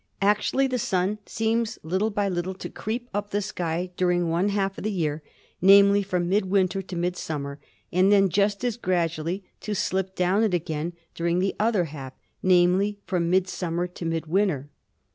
Actually the Sun seems little by little to creep up the sky during one half of the year, namely, from mid winter to mid summer, and then just as gradually to slip down it again during the other half, namely, from mid summer to mid winter.